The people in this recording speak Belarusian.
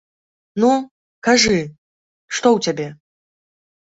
Ну, кажы, што ў цябе?